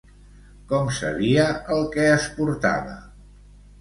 Com sabia el que es portava?